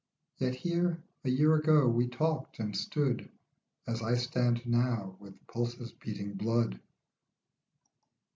Yet here, a year ago, we talked and stood As I stand now, with pulses beating blood.